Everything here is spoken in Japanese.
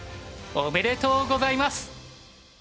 おめでとうございます。